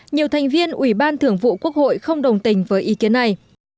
nhiều thành viên ủy ban thưởng vụ quốc hội không đồng tình với ý kiến này